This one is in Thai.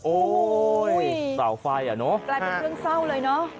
โอ้โหเสาไฟอ่ะเนอะกลายเป็นเรื่องเศร้าเลยเนอะ